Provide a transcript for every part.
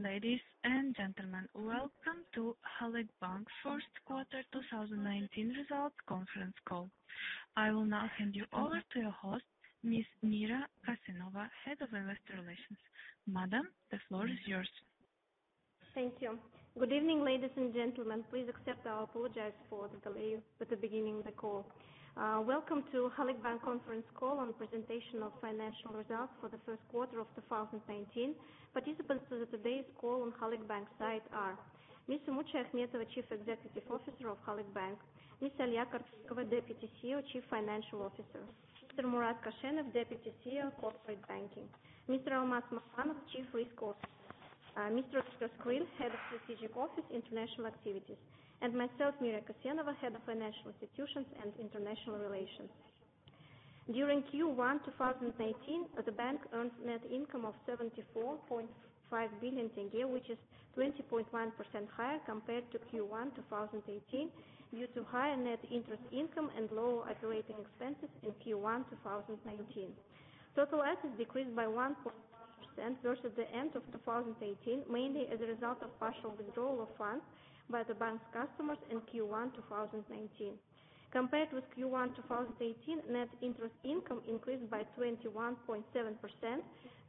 Ladies and gentlemen, welcome to Halyk Bank first quarter 2019 results conference call. I will now hand you over to your host, Ms. Mira Kassenova, Head of Investor Relations. Madam, the floor is yours. Thank you. Good evening, ladies and gentlemen. Please accept our apologies for the delay at the beginning of the call. Welcome to Halyk Bank conference call on presentation of financial results for the first quarter of 2019. Participants to today's call on Halyk Bank side are Ms. Umut Shayakhmetova, Chief Executive Officer of Halyk Bank, Ms. Aliya Karpykova, Deputy CEO, Chief Financial Officer, Mr. Murat Koshenov, Deputy CEO, Corporate Banking, Mr. Almas Makhanov, Chief Risk Officer, Mr. Viktor Skryl, Head of Strategic Office, International Activities, and myself, Mira Kassenova, Head of Financial Institutions and International Relations. During Q1 2019, the bank earned net income of KZT 74.5 billion, which is 20.1% higher compared to Q1 2018 due to higher net interest income and lower operating expenses in Q1 2019. Total assets decreased by 1.1% versus the end of 2018, mainly as a result of partial withdrawal of funds by the bank's customers in Q1 2019. Compared with Q1 2018, net interest income increased by 21.7%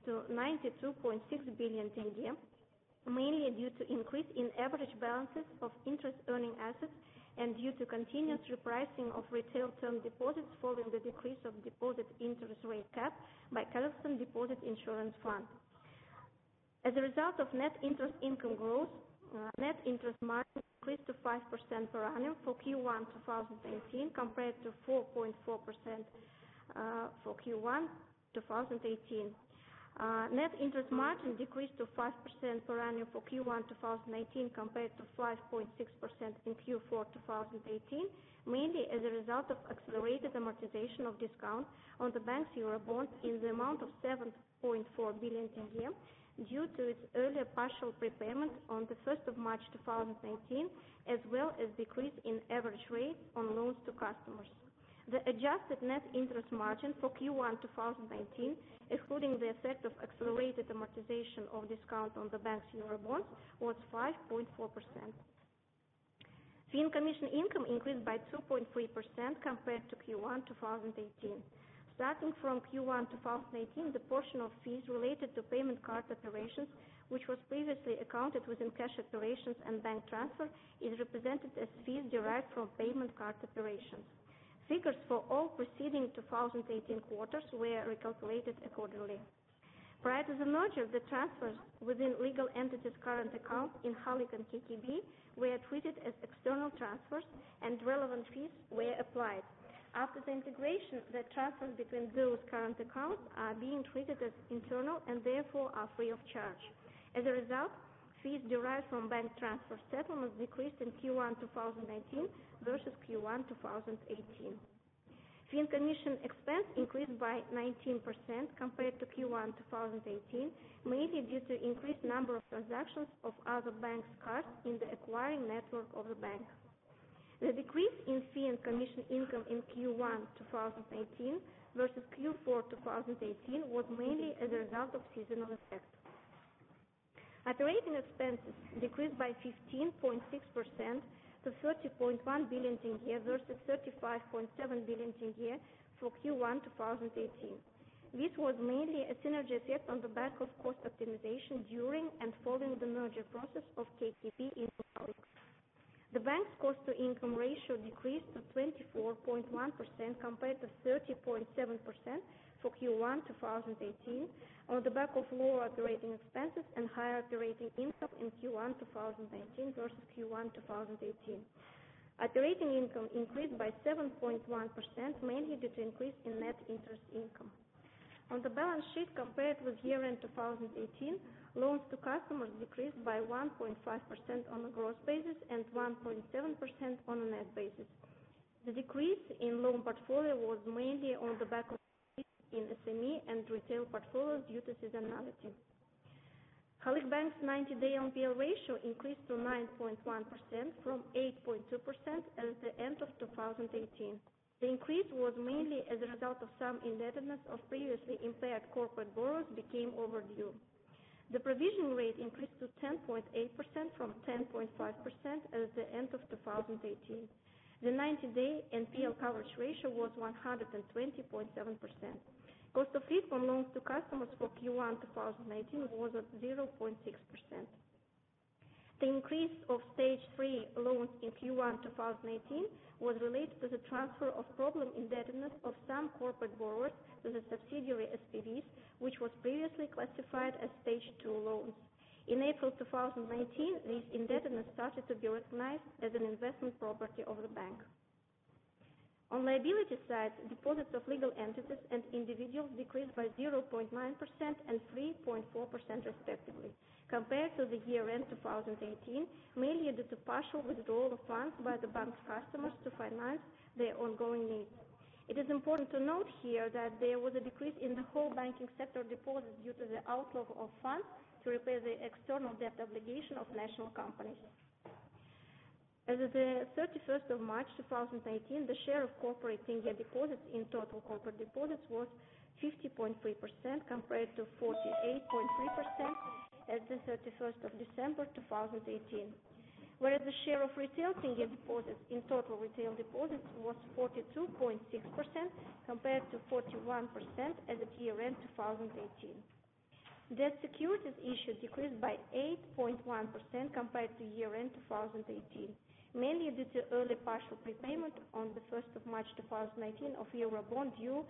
to KZT 92.6 billion, mainly due to increase in average balances of interest-earning assets and due to continuous repricing of retail term deposits following the decrease of deposit interest rate cap by Kazakhstan Deposit Insurance Fund. As a result of net interest income growth, net interest margin increased to 5% per annum for Q1 2018 compared to 4.4% for Q1 2018. Net interest margin decreased to 5% per annum for Q1 2018 compared to 5.6% in Q4 2018, mainly as a result of accelerated amortization of discount on the bank's Eurobond in the amount of KZT 7.4 billion due to its earlier partial prepayment on the 1st of March 2019, as well as decrease in average rate on loans to customers. The adjusted net interest margin for Q1 2019, excluding the effect of accelerated amortization of discount on the bank's Eurobonds, was 5.4%. Fee and commission income increased by 2.3% compared to Q1 2018. Starting from Q1 2018, the portion of fees related to payment card operations, which was previously accounted within cash operations and bank transfer, is represented as fees derived from payment card operations. Figures for all preceding 2018 quarters were recalculated accordingly. Prior to the merger, the transfers within legal entities' current accounts in Halyk and KTB were treated as external transfers and relevant fees were applied. After the integration, the transfers between those current accounts are being treated as internal and therefore are free of charge. As a result, fees derived from bank transfer settlements decreased in Q1 2019 versus Q1 2018. Fee and commission expense increased by 19% compared to Q1 2018, mainly due to increased number of transactions of other banks' cards in the acquiring network of the bank. The decrease in fee and commission income in Q1 2018 versus Q4 2018 was mainly as a result of seasonal effect. Operating expenses decreased by 15.6% to 30.1 billion KZT versus 35.7 billion KZT for Q1 2018. This was mainly a synergy effect on the back of cost optimization during and following the merger process of KTB into Halyk. The bank's cost-to-income ratio decreased to 24.1% compared to 30.7% for Q1 2018 on the back of lower operating expenses and higher operating income in Q1 2019 versus Q1 2018. Operating income increased by 7.1%, mainly due to increase in net interest income. On the balance sheet compared with year-end 2018, loans to customers decreased by 1.5% on a gross basis and 1.7% on a net basis. The decrease in loan portfolio was mainly on the back of decrease in SME and retail portfolios due to seasonality. Halyk Bank's 90-day NPL ratio increased to 9.1% from 8.2% at the end of 2018. The increase was mainly as a result of some indebtedness of previously impaired corporate borrowers became overdue. The provision rate increased to 10.8% from 10.5% at the end of 2018. The 90-day NPL coverage ratio was 120.7%. Cost of fees for loans to customers for Q1 2019 was at 0.6%. The increase of Stage 3 loans in Q1 2018 was related to the transfer of problem indebtedness of some corporate borrowers to the subsidiary SPVs, which was previously classified as Stage 2 loans. In April 2019, this indebtedness started to be recognized as an investment property of the bank. On liability side, deposits of legal entities and individuals decreased by 0.9% and 3.4% respectively compared to the year-end 2018, mainly due to partial withdrawal of funds by the bank's customers to finance their ongoing needs. It is important to note here that there was a decrease in the whole banking sector deposits due to the outflow of funds to repay the external debt obligation of national companies. As of the 31st of March 2019, the share of corporate deposits in total corporate deposits was 50.3%, compared to 48.3% as of 31st of December 2018, where the share of retail deposits in total retail deposits was 42.6%, compared to 41% as of year-end 2018. Debt securities issued decreased by 8.1% compared to year-end 2018, mainly due to early partial prepayment on the 1st of March 2019 of Eurobond due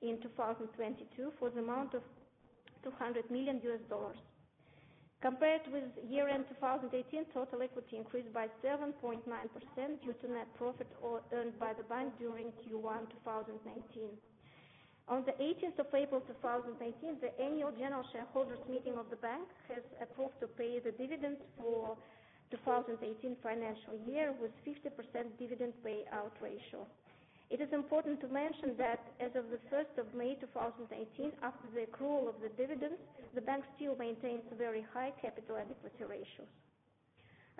in 2022 for the amount of $200 million. Compared with year-end 2018, total equity increased by 7.9% due to net profit earned by the bank during Q1 2019. On the 18th of April 2019, the annual general shareholders meeting of the bank has approved to pay the dividends for 2018 financial year with 50% dividend payout ratio. It is important to mention that as of the 1st of May 2018, after the accrual of the dividend, the bank still maintains very high capital adequacy ratios.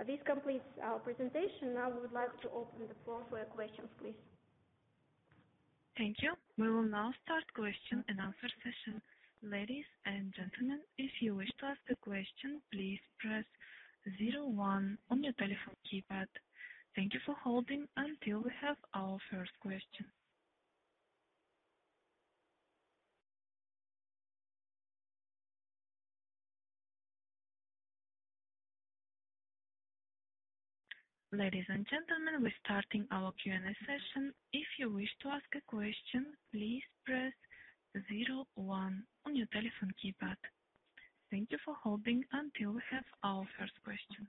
This completes our presentation. Now we would like to open the floor for your questions, please. Thank you. We will now start question and answer session. Ladies and gentlemen, if you wish to ask a question, please press zero one on your telephone keypad. Thank you for holding until we have our first question. Ladies and gentlemen, we're starting our Q&A session. If you wish to ask a question, please press zero one on your telephone keypad. Thank you for holding until we have our first question.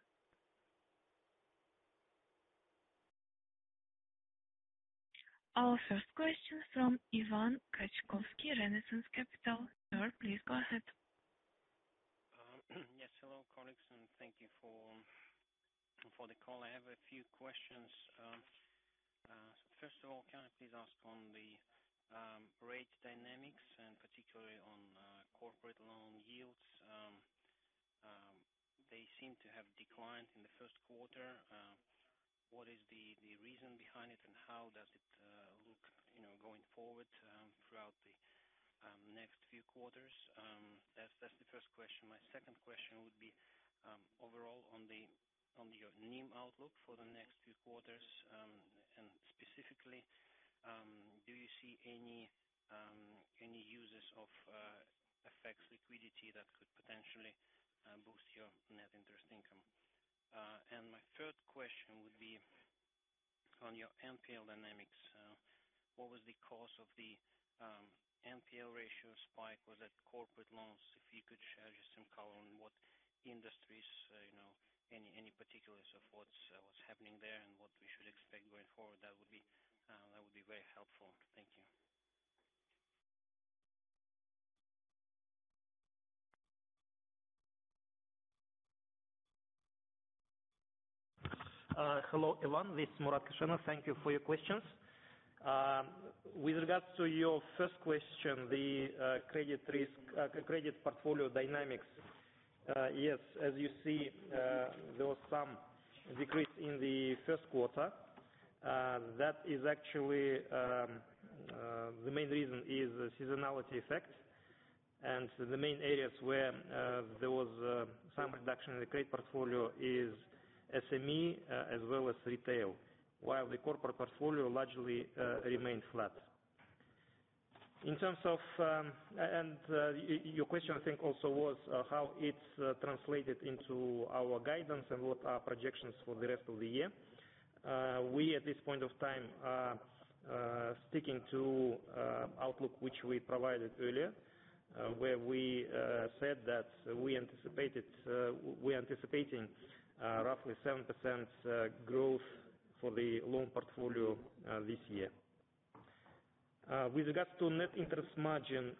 Our first question from Ivan Tkachuk, Renaissance Capital. Sir, please go ahead. Yes. Hello, colleagues, thank you for the call. I have a few questions. First of all, can I please ask on the rate dynamics and particularly on corporate loan yields? They seem to have declined in the first quarter. What is the reason behind it, and how does it look going forward throughout the next few quarters? That's the first question. My second question would be overall on your NIM outlook for the next few quarters. Specifically, do you see any uses of FX liquidity that could potentially boost your net interest income? My third question would be on your NPL dynamics. What was the cause of the NPL ratio spike? Was that corporate loans? If you could share just some color on what industries, any particulars of what's happening there and what we should expect going forward, that would be very helpful. Thank you. Hello, Ivan, this is Murat Koshenov. Thank you for your questions. With regards to your first question, the credit portfolio dynamics. Yes, as you see, there was some decrease in the first quarter. The main reason is the seasonality effect, and the main areas where there was some reduction in the credit portfolio is SME as well as retail, while the corporate portfolio largely remained flat. Your question, I think, also was how it's translated into our guidance and what are projections for the rest of the year. We, at this point of time, are sticking to outlook which we provided earlier, where we said that we're anticipating roughly 7% growth for the loan portfolio this year. With regards to net interest margin,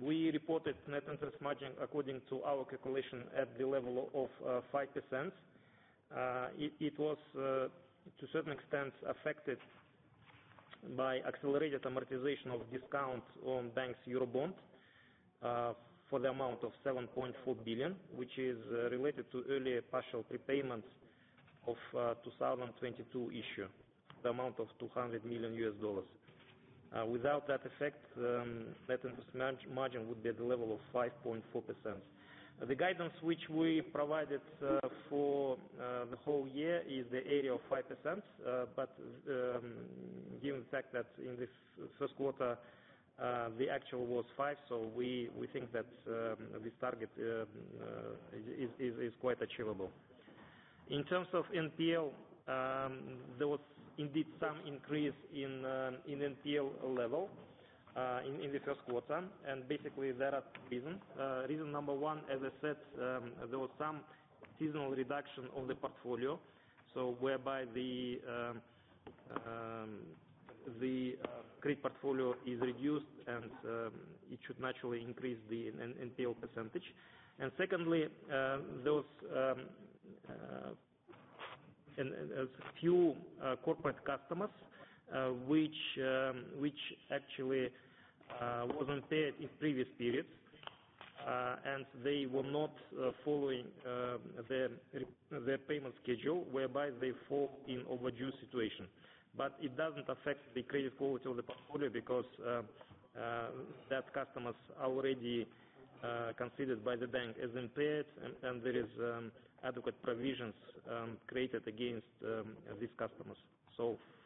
we reported net interest margin according to our calculation at the level of 5%. It was to a certain extent affected by accelerated amortization of discount on banks Eurobond for the amount of KZT 7.4 billion, which is related to early partial repayments of 2022 issue, the amount of $200 million. Without that effect, net interest margin would be at the level of 5.4%. The guidance which we provided for the whole year is the area of 5%, given the fact that in this first quarter, the actual was five, we think that this target is quite achievable. In terms of NPL, there was indeed some increase in NPL level in the first quarter, there are two reasons. Reason number 1, as I said, there was some seasonal reduction of the portfolio, whereby the credit portfolio is reduced, and it should naturally increase the NPL percentage. Secondly, those few corporate customers, which actually wasn't paid in previous periods. They were not following their payment schedule, whereby they fall in overdue situation. It doesn't affect the credit quality of the portfolio because that customer's already considered by the bank as impaired, and there is adequate provisions created against these customers.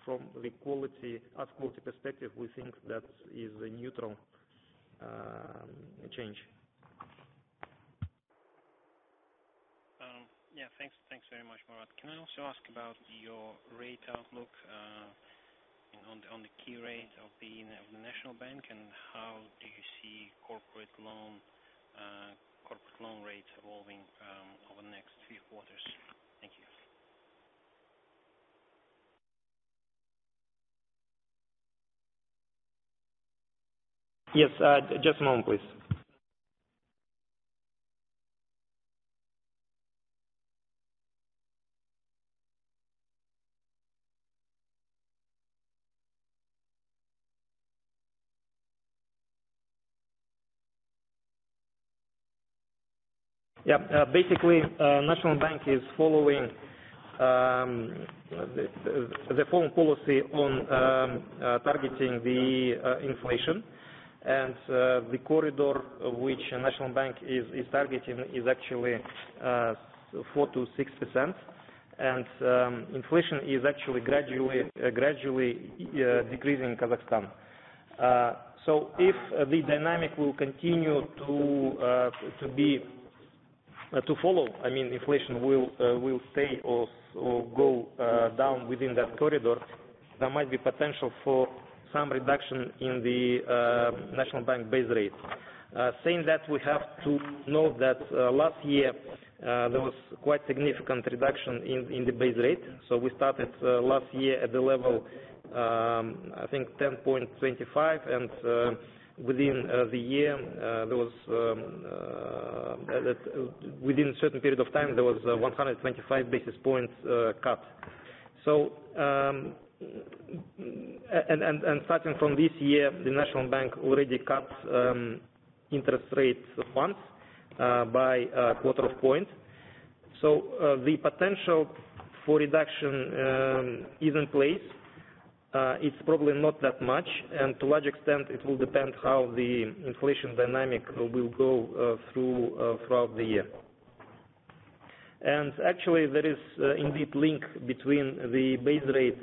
From the quality perspective, we think that is a neutral change. Yeah. Thanks very much, Murat. Can I also ask about your rate outlook on the key rate of the National Bank of Kazakhstan, and how do you see corporate loan rates evolving over the next few quarters? Thank you. Yes. Just a moment, please. Yeah. Basically, National Bank of Kazakhstan is following the foreign policy on targeting the inflation. The corridor which National Bank of Kazakhstan is targeting is actually 4% to 6%. Inflation is actually gradually decreasing in Kazakhstan. If the dynamic will continue to follow, inflation will stay or go down within that corridor, there might be potential for some reduction in the National Bank of Kazakhstan base rate. Saying that, we have to note that last year, there was quite significant reduction in the base rate. We started last year at the level, I think 10.25, and within a certain period of time, there was a 125 basis points cut. Starting from this year, the National Bank of Kazakhstan already cut interest rates once by a quarter of point. The potential for reduction is in place. It's probably not that much. To a large extent, it will depend how the inflation dynamic will go throughout the year. Actually, there is indeed link between the base rate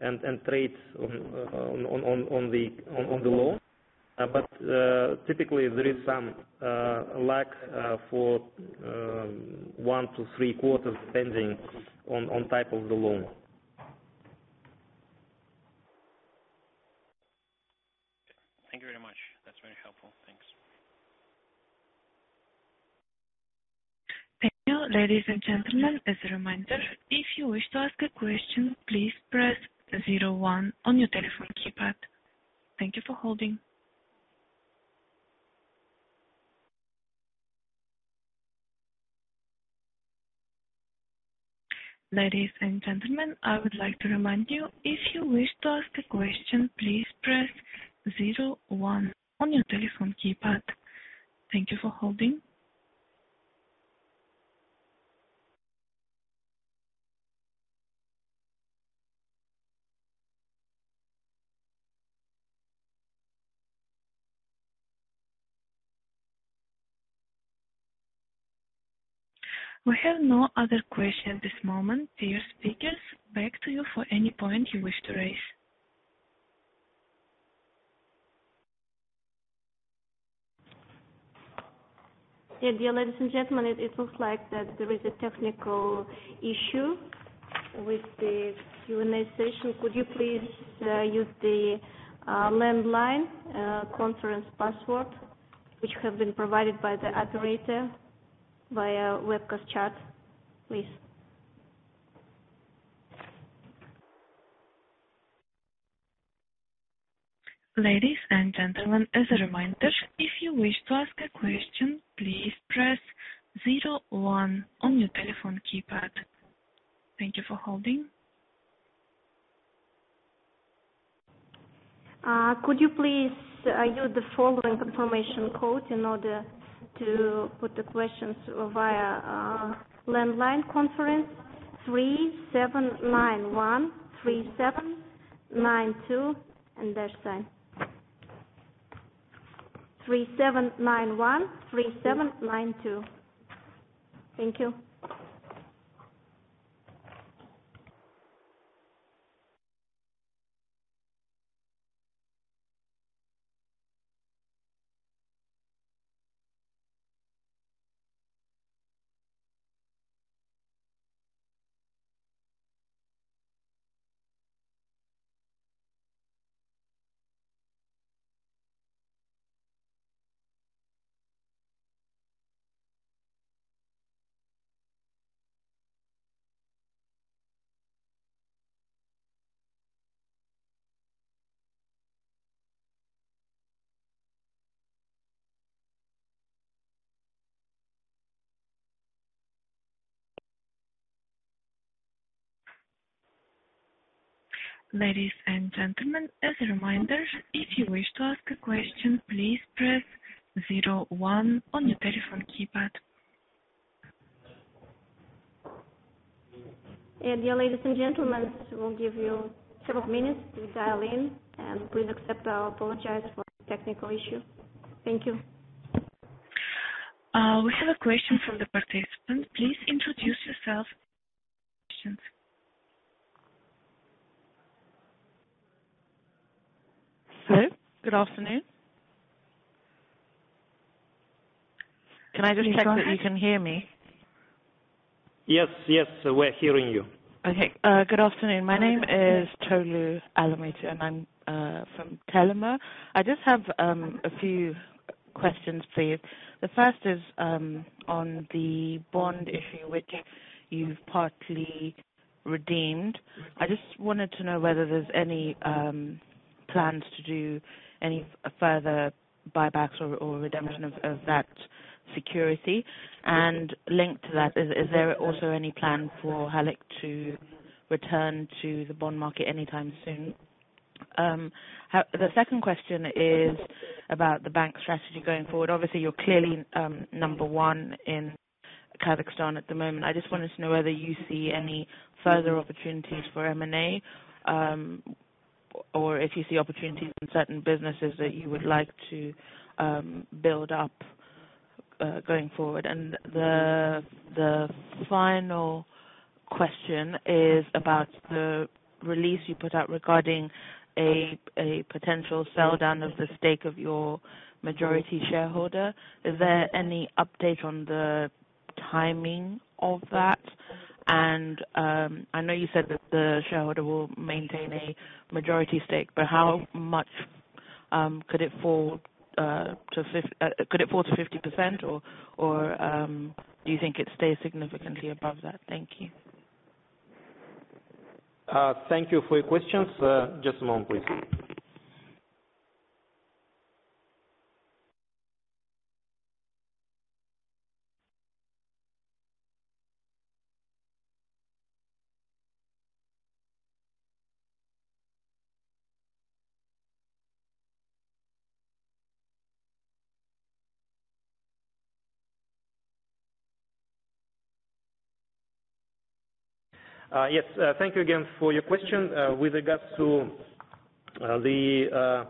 and trades on the loan. Typically, there is some lag for one to three quarters, depending on type of the loan. Thank you very much. That's very helpful. Thanks. Thank you. Ladies and gentlemen, as a reminder, if you wish to ask a question, please press 01 on your telephone keypad. Thank you for holding. Ladies and gentlemen, I would like to remind you, if you wish to ask a question, please press 01 on your telephone keypad. Thank you for holding. We have no other question at this moment. Dear speakers, back to you for any point you wish to raise. Yeah. Dear ladies and gentlemen, it looks like that there is a technical issue with the Q&A session. Could you please use the landline conference password, which have been provided by the operator via webcast chat, please? Ladies and gentlemen, as a reminder, if you wish to ask a question, please press 01 on your telephone keypad. Thank you for holding. Could you please use the following confirmation code in order to put the questions via landline conference? 37913792. 37913792. Thank you. Ladies and gentlemen, as a reminder, if you wish to ask a question, please press 01 on your telephone keypad. Dear ladies and gentlemen, we'll give you several minutes to dial in. Please accept our apologies for the technical issue. Thank you. We have a question from the participant. Please introduce yourself. Questions. Hello. Good afternoon. Can I just check that you can hear me? Yes, we're hearing you. Okay. Good afternoon. My name is Tolu Alamutu, and I'm from Tellimer. I just have a few questions for you. The first is on the bond issue, which you've partly redeemed. I just wanted to know whether there's any plans to do any further buybacks or redemption of that security. Linked to that, is there also any plan for Halyk to return to the bond market anytime soon? The second question is about the bank strategy going forward. Obviously, you're clearly number 1 in Kazakhstan at the moment. I just wanted to know whether you see any further opportunities for M&A, or if you see opportunities in certain businesses that you would like to build up going forward. The final question is about the release you put out regarding a potential sell-down of the stake of your majority shareholder. Is there any update on the timing of that? I know you said that the shareholder will maintain a majority stake, how much? Could it fall to 50%, or do you think it stays significantly above that? Thank you. Thank you for your questions. Just a moment, please. Yes, thank you again for your question. With regards to the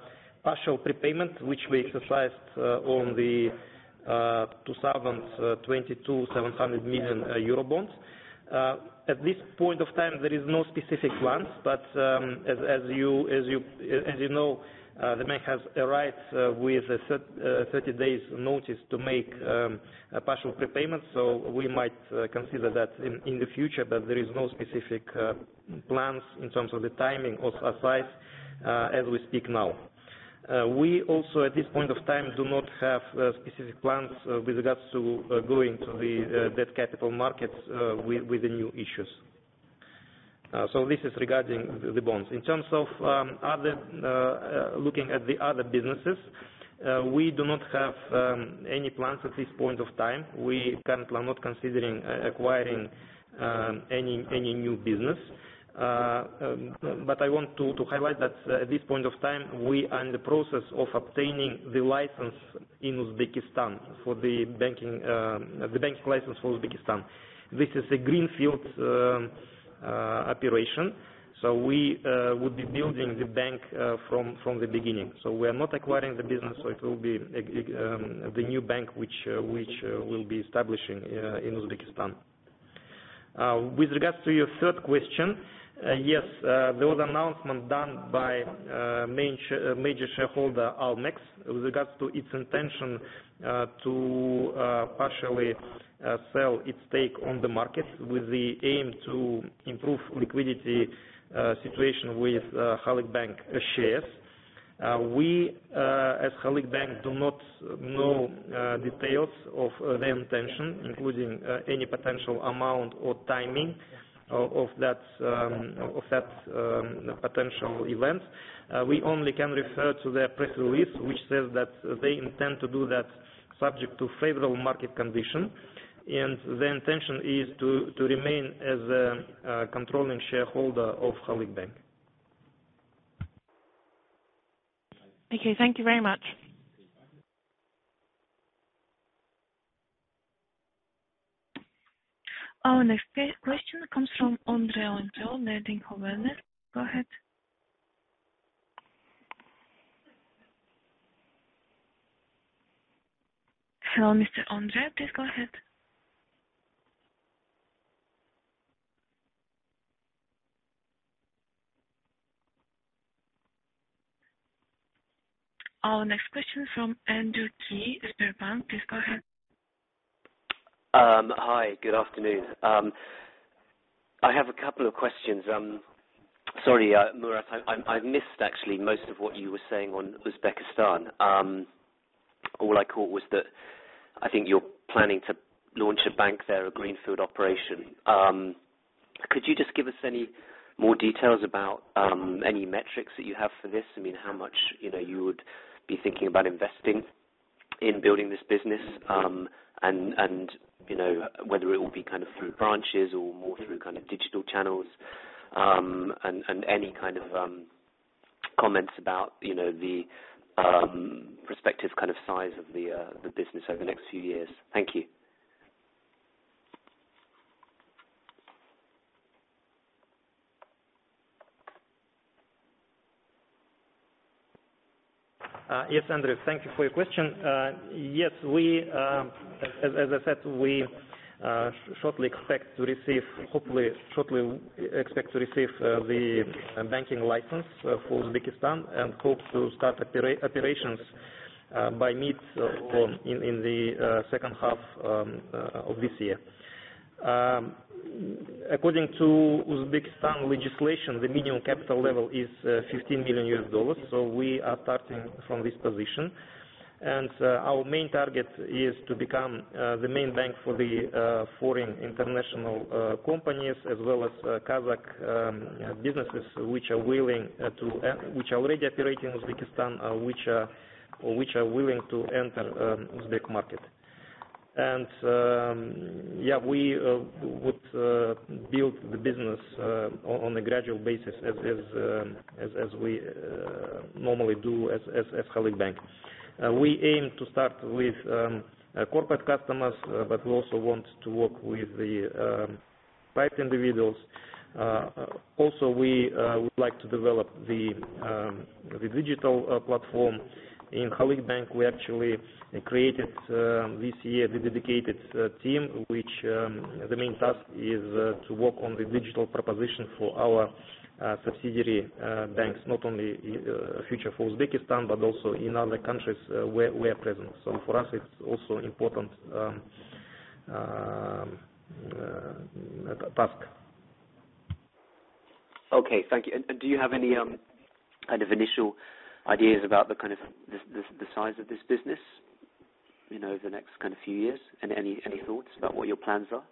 partial prepayment, which we exercised on the 2022 $700 million Eurobonds. At this point of time, there is no specific plans, as you know, the bank has a right with a 30 days notice to make a partial prepayment. We might consider that in the future, there is no specific plans in terms of the timing or size, as we speak now. We also, at this point of time, do not have specific plans with regards to going to the debt capital markets with the new issues. This is regarding the bonds. In terms of looking at the other businesses, we do not have any plans at this point of time. We currently are not considering acquiring any new business. I want to highlight that at this point of time, we are in the process of obtaining the license in Uzbekistan for the banking license for Uzbekistan. This is a greenfield operation, we would be building the bank from the beginning. We are not acquiring the business, it will be the new bank which we'll be establishing in Uzbekistan. With regards to your third question, yes, there was announcement done by major shareholder, Almex, with regards to its intention to partially sell its stake on the market with the aim to improve liquidity situation with Halyk Bank shares. We, as Halyk Bank, do not know details of their intention, including any potential amount or timing of that potential event. We only can refer to their press release, which says that they intend to do that subject to favorable market condition, their intention is to remain as a controlling shareholder of Halyk Bank. Okay. Thank you very much. Our next question comes from [Andrew Keeley], [Sberbank]. Go ahead. Hello, Mr. Andre, please go ahead. Our next question from Andrew Keeley, Sberbank. Please go ahead. Hi, good afternoon. I have two questions. Sorry, Murat, I missed actually most of what you were saying on Uzbekistan. All I caught was that I think you are planning to launch a bank there, a greenfield operation. Could you just give us any more details about any metrics that you have for this? How much you would be thinking about investing in building this business, and whether it will be through branches or more through digital channels, and any kind of comments about the prospective size of the business over the next few years. Thank you. Yes, Andrew, thank you for your question. Yes, as I said, we shortly expect to receive the banking license for Uzbekistan and hope to start operations by mid or in the second half of this year. According to Uzbekistan legislation, the minimum capital level is KZT 15 million, we are starting from this position. Our main target is to become the main bank for the foreign international companies as well as Kazakh businesses which are already operating in Uzbekistan, or which are willing to enter Uzbek market. Yeah, we would build the business on a gradual basis as we normally do as Halyk Bank. We aim to start with corporate customers, but we also want to work with the private individuals. Also, we would like to develop the digital platform. In Halyk Bank, we actually created, this year, the dedicated team, which the main task is to work on the digital proposition for our subsidiary banks, not only in the future for Uzbekistan, but also in other countries where we're present. For us, it is also important task. Okay. Thank you. Do you have any kind of initial ideas about the size of this business the next few years? Any thoughts about what your plans are?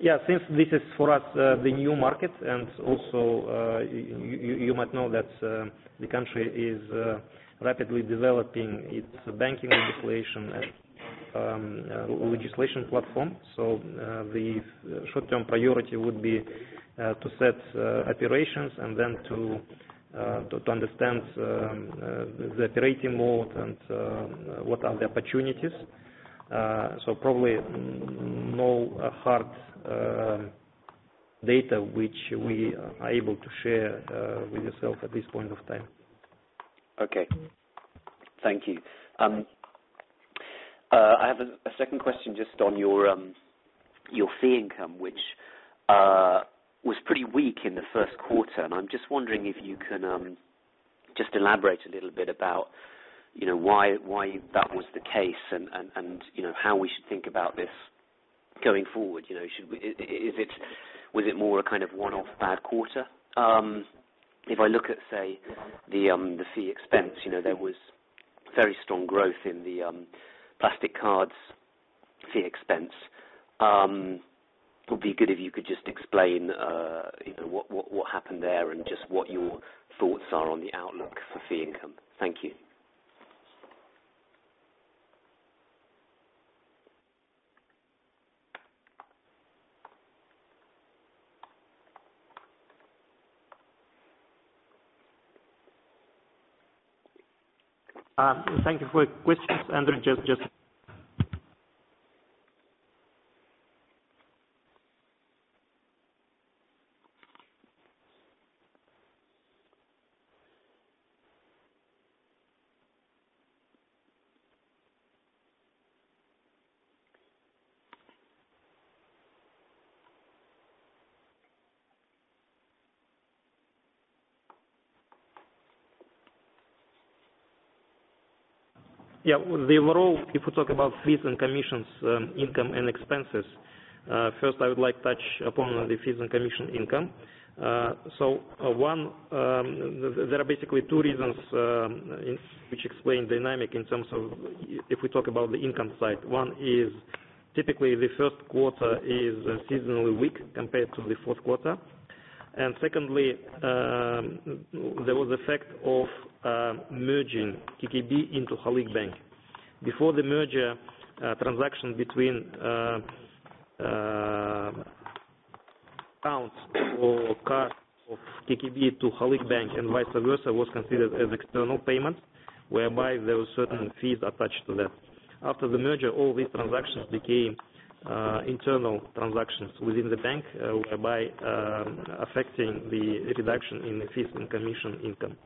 Yeah. Since this is for us, the new market and also, you might know that the country is rapidly developing its banking legislation and legislation platform. The short-term priority would be to set operations and then to understand the operating mode and what are the opportunities. Probably no hard data, which we are able to share with yourself at this point of time. Okay. Thank you. I have a second question just on your fee income, which was pretty weak in the first quarter. I'm just wondering if you can just elaborate a little bit about why that was the case and how we should think about this going forward. Was it more a kind of one-off bad quarter? If I look at, say, the fee expense, there was very strong growth in the plastic cards fee expense. Would be good if you could just explain what happened there and just what your thoughts are on the outlook for fee income. Thank you. Thank you for your questions, Andrew. The overall, if we talk about fees and commissions, income and expenses, first, I would like touch upon the fees and commission income. There are basically two reasons which explain dynamic in terms of if we talk about the income side, one is typically the first quarter is seasonally weak compared to the fourth quarter. Secondly, there was effect of merging KKB into Halyk Bank. Before the merger, transaction between accounts or cards of KKB to Halyk Bank and vice versa was considered as external payment, whereby there were certain fees attached to that. After the merger, all these transactions became internal transactions within the bank, whereby affecting the reduction in the fees and commission income.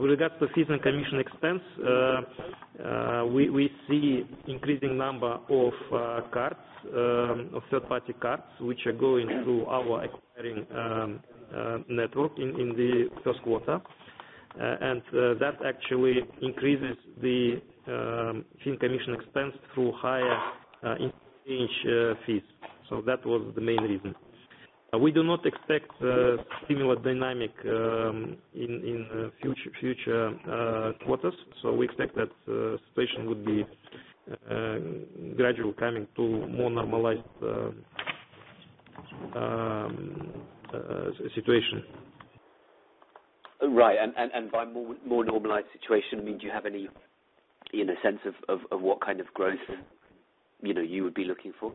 With regards to fees and commission expense, we see increasing number of third party cards, which are going through our acquiring network in the first quarter. That actually increases the fee and commission expense through higher interchange fees. That was the main reason. We do not expect similar dynamic in future quarters. We expect that situation would be gradual coming to more normalized situation. Right. By more normalized situation, do you have any sense of what kind of growth you would be looking for?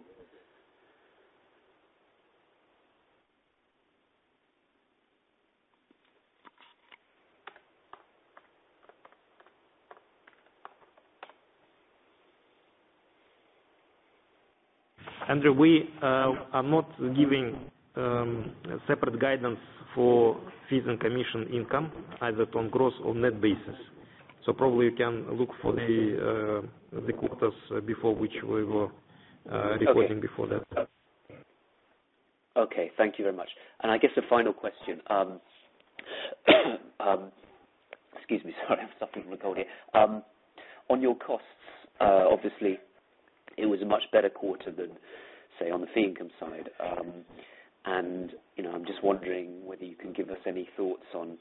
Andrew, we are not giving separate guidance for fees and commission income either on gross or net basis. Probably you can look for the quarters before which we were recording before that. Okay. Thank you very much. I guess a final question. Excuse me. Sorry, I have something in my throat here. On your costs, obviously, it was a much better quarter than, say, on the fee income side. I am just wondering whether you can give us any thoughts on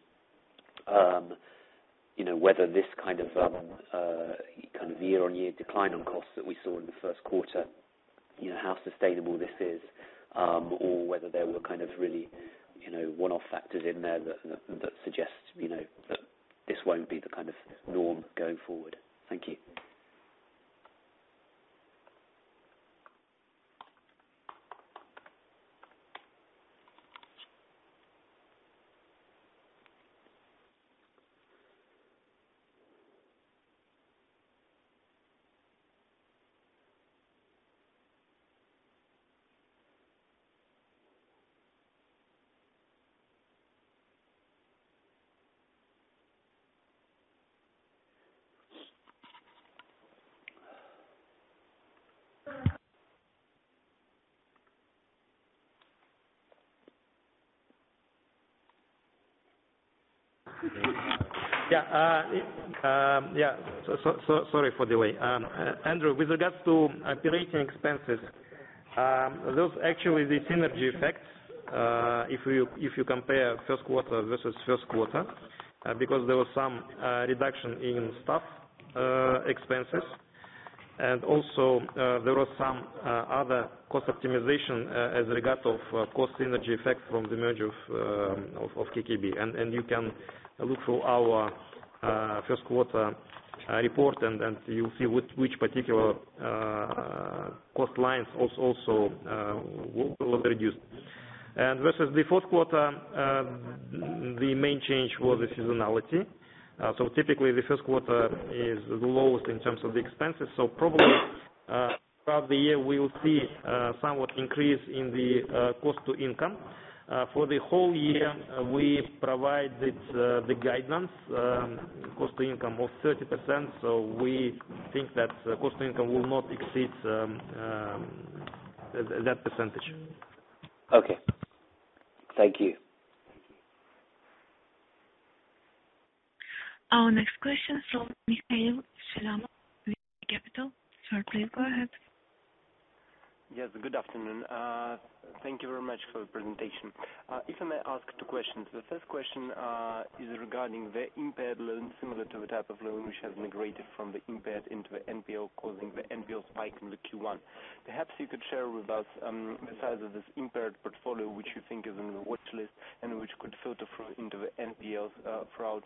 whether this kind of year-on-year decline on costs that we saw in the first quarter, how sustainable this is, or whether there were really one-off factors in there that suggest that this won't be the norm going forward. Thank you. Yeah. Sorry for delay. Andrew, with regards to operating expenses, those actually the synergy effects, if you compare first quarter versus first quarter, because there was some reduction in staff expenses, also there was some other cost optimization as regards of cost synergy effects from the merger of Kazkommertsbank. You can look through our first quarter report, and you will see which particular cost lines also were reduced. Versus the fourth quarter, the main change was the seasonality. Typically, the first quarter is the lowest in terms of the expenses. Probably, throughout the year, we will see somewhat increase in the cost to income. For the whole year, we provided the guidance cost to income of 30%, we think that cost to income will not exceed that percentage. Okay. Thank you. Our next question is from Mikhail Shalamov, VTB Capital. Sir, please go ahead. Good afternoon. Thank you very much for the presentation. If I may ask two questions. The first question is regarding the impaired loan similar to the type of loan which has migrated from the impaired into the NPL, causing the NPL spike in the Q1. Perhaps you could share with us the size of this impaired portfolio, which you think is in the watchlist and which could filter through into the NPLs throughout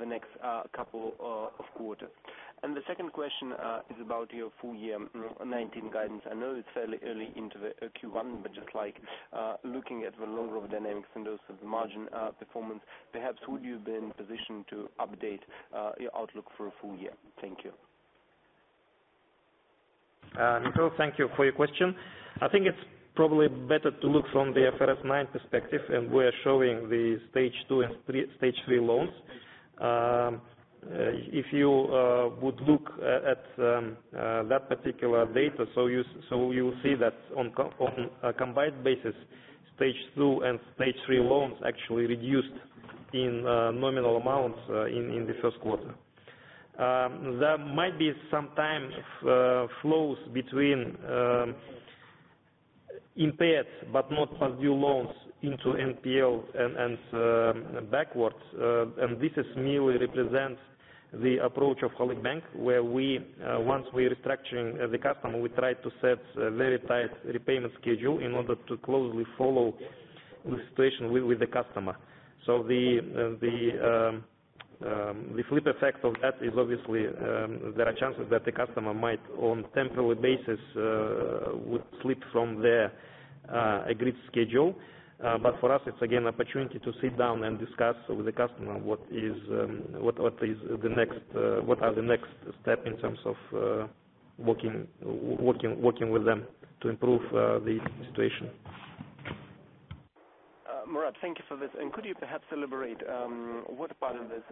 the next couple of quarter. The second question is about your full year 2019 guidance. I know it's fairly early into the Q1, but just like looking at the loan growth dynamics and also the margin performance, perhaps would you be in position to update your outlook for a full year? Thank you. Mikhail, thank you for your question. I think it's probably better to look from the IFRS 9 perspective, and we're showing the Stage 2 and Stage 3 loans. If you would look at that particular data, so you'll see that on a combined basis, Stage 2 and Stage 3 loans actually reduced in nominal amounts in the first quarter. There might be sometimes flows between impaired, but not past due loans into NPLs and backwards. This merely represents the approach of Halyk Bank, where once we're restructuring the customer, we try to set a very tight repayment schedule in order to closely follow the situation with the customer. The flip effect of that is obviously, there are chances that the customer might, on temporary basis, would slip from their agreed schedule. For us, it's again, opportunity to sit down and discuss with the customer what are the next step in terms of working with them to improve the situation. Murat, thank you for this. Could you perhaps elaborate what part of this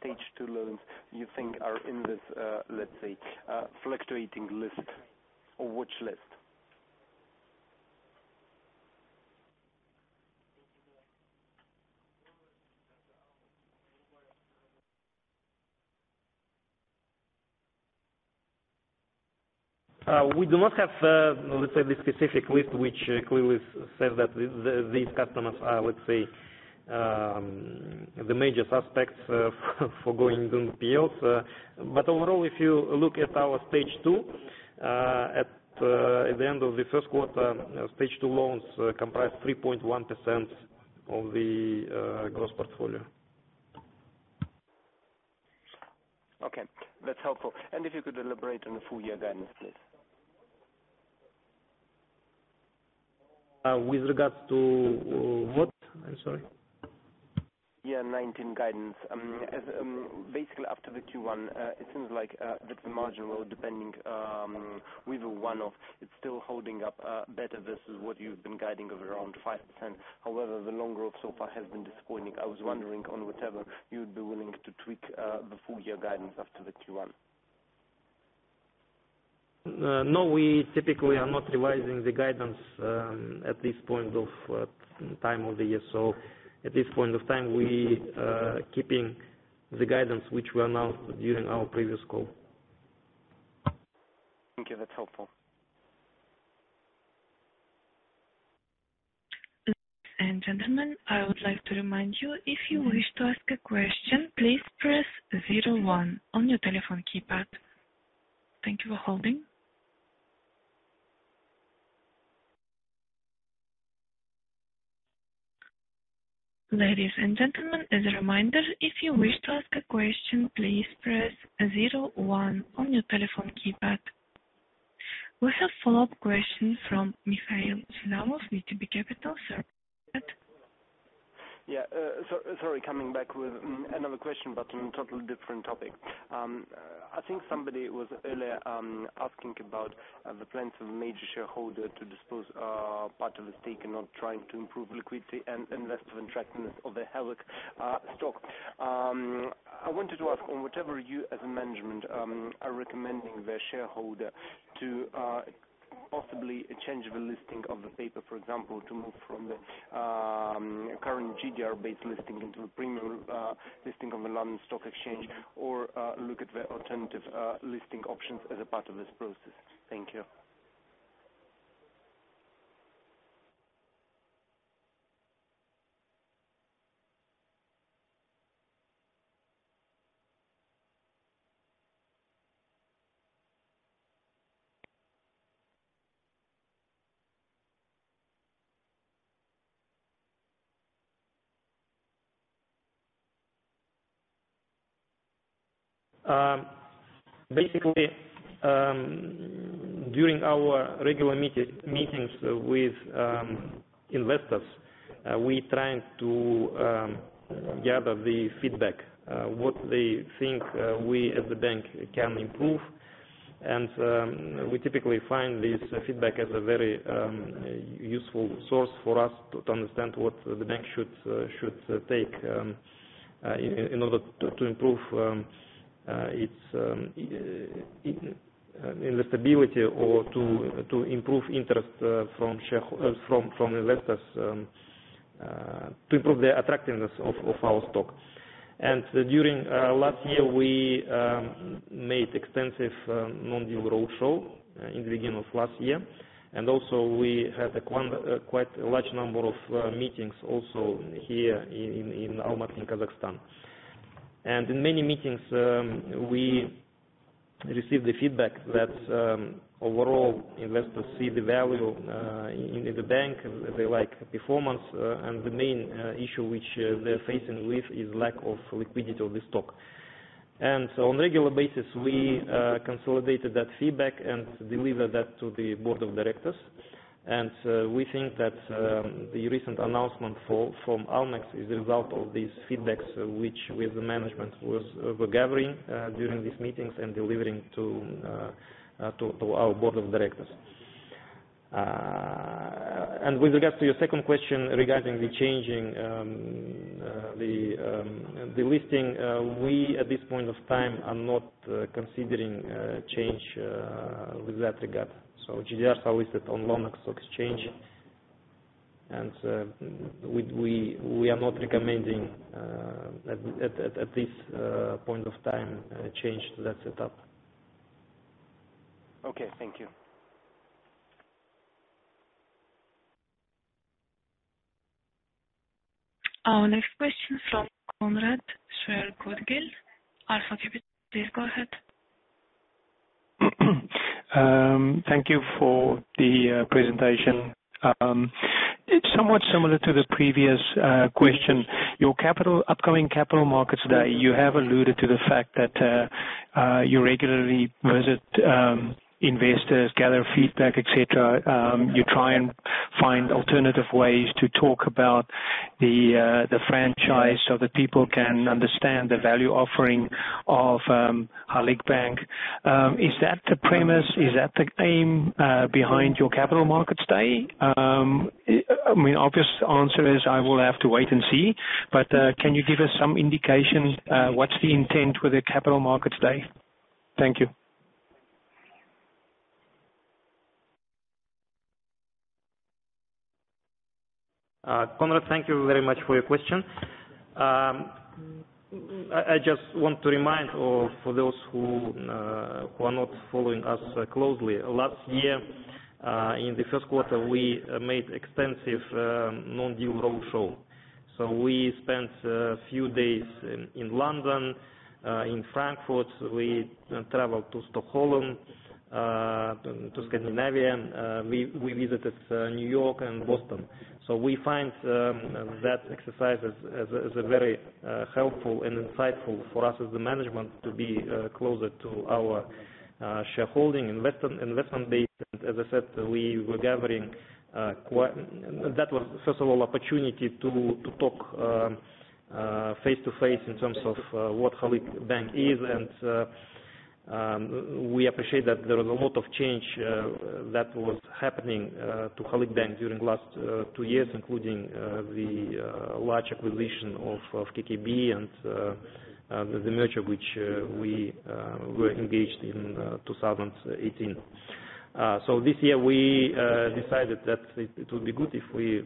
Stage 2 loans you think are in this, let's say, fluctuating list or watchlist? We do not have, let's say, the specific list which clearly says that these customers are, let's say, the major suspects for going to NPLs. Overall, if you look at our Stage 2, at the end of the first quarter, Stage 2 loans comprise 3.1% of the gross portfolio. Okay, that's helpful. If you could elaborate on the full year guidance, please. With regards to what? I'm sorry. Year 2019 guidance. Basically after the Q1, it seems like that the marginal depending with one-off, it's still holding up better versus what you've been guiding of around 5%. However, the long road so far has been disappointing. I was wondering on whatever you'd be willing to tweak the full year guidance after the Q1. No, we typically are not revising the guidance at this point of time of the year. At this point of time, we keeping the guidance which we announced during our previous call. Thank you. That's helpful. Ladies and gentlemen, I would like to remind you, if you wish to ask a question, please press 01 on your telephone keypad. Thank you for holding. Ladies and gentlemen, as a reminder, if you wish to ask a question, please press 01 on your telephone keypad. We have a follow-up question from Mikhail Shalamov with VTB Capital. Sir, go ahead. Yeah. Sorry, coming back with another question, but on a totally different topic. I think somebody was earlier asking about the plans of major shareholder to dispose part of the stake and not trying to improve liquidity and investor attractiveness of the Halyk stock. I wanted to ask on whatever you as management are recommending the shareholder to possibly change the listing of the paper. For example, to move from the current GDR based listing into a premium listing on the London Stock Exchange or look at the alternative listing options as a part of this process. Thank you. Basically, during our regular meetings with investors, we trying to gather the feedback, what they think we as the bank can improve. We typically find this feedback as a very useful source for us to understand what the bank should take in order to improve its investability or to improve interest from investors, to improve the attractiveness of our stock. During last year, we made extensive non-deal roadshow in the beginning of last year. Also we had quite a large number of meetings also here in Almaty, Kazakhstan. In many meetings, we received the feedback that overall investors see the value in the bank, they like performance and the main issue which they're facing with is lack of liquidity of the stock. On regular basis, we consolidated that feedback and delivered that to the board of directors. We think that the recent announcement from ALMEX is a result of these feedbacks, which with the management was gathering during these meetings and delivering to our board of directors. With regards to your second question regarding the changing the listing, we, at this point of time, are not considering a change with that regard. GDRs are listed on LMAX Exchange, we are not recommending at this point of time a change to that setup. Okay. Thank you. Our next question from Conrad Alpha. Please go ahead. Thank you for the presentation. It's somewhat similar to the previous question. Your upcoming Capital Markets Day, you have alluded to the fact that you regularly visit investors, gather feedback, et cetera. You try and find alternative ways to talk about the franchise so that people can understand the value offering of Halyk Bank. Is that the premise? Is that the aim behind your Capital Markets Day? I mean, obvious answer is I will have to wait and see, but can you give us some indication what's the intent with the Capital Markets Day? Thank you. Conrad, thank you very much for your question. I just want to remind for those who are not following us closely, last year, in the first quarter, we made extensive non-deal roadshow. We spent a few days in London, in Frankfurt. We traveled to Stockholm, to Scandinavia. We visited New York and Boston. We find that exercise is very helpful and insightful for us as the management to be closer to our shareholding investment base. As I said, that was, first of all, opportunity to talk face-to-face in terms of what Halyk Bank is, and we appreciate that there was a lot of change that was happening to Halyk Bank during last two years, including the large acquisition of Kazkommertsbank and the merger which we were engaged in 2018. This year, we decided that it would be good if we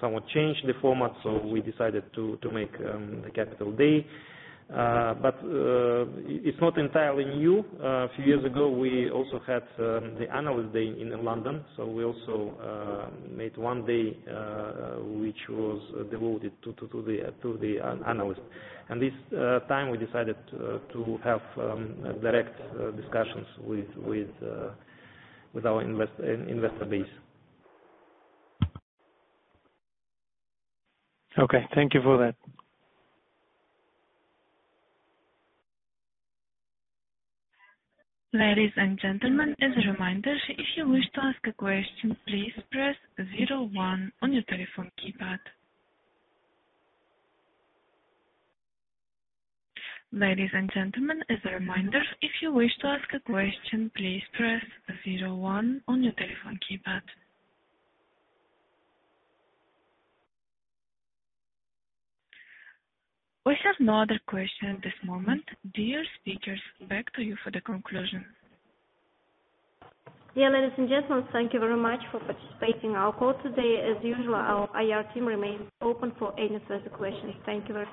somewhat changed the format, we decided to make a Capital Day. It's not entirely new. A few years ago, we also had the Analyst Day in London, we also made one day which was devoted to the analyst. This time, we decided to have direct discussions with our investor base. Okay. Thank you for that. Ladies and gentlemen, as a reminder, if you wish to ask a question, please press 01 on your telephone keypad. Ladies and gentlemen, as a reminder, if you wish to ask a question, please press 01 on your telephone keypad. We have no other question at this moment. Dear speakers, back to you for the conclusion. Yeah, ladies and gentlemen, thank you very much for participating in our call today. As usual, our IR team remains open for any further questions. Thank you very much.